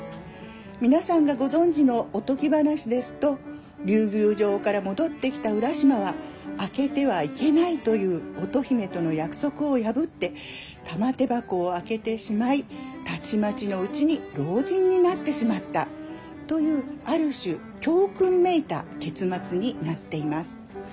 皆さんがご存じのおとぎ話ですと竜宮城から戻ってきた浦島は開けてはいけないという乙姫との約束を破って玉手箱を開けてしまいたちまちのうちに老人になってしまったというある種教訓めいた結末になっています。